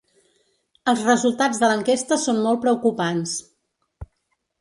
Els resultats de l’enquesta són molt preocupants.